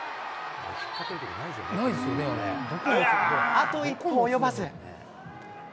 あと一歩及ばず。